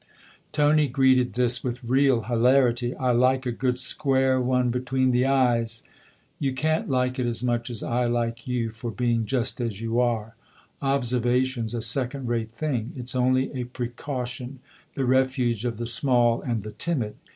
Tony greeted this with real hilarity. "I like a good square one between the eyes !"" You can't like it as much as I like you for being just as you are. Observation's a second rate thing ; it's only a precaution the refuge of the small and the timid.